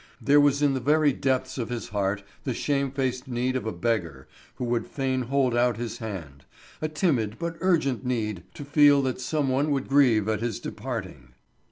There was in the very depths of his heart the shame faced need of a beggar who would fain hold out his hand—a timid but urgent need to feel that some one would grieve at his departing.